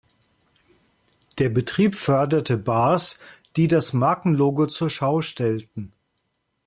Der Betrieb förderte Bars, die das Markenlogo zur Schau stellten.